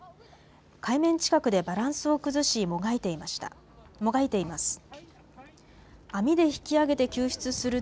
海面近くでバランスを崩し、もがいています。